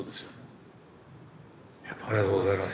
ありがとうございます。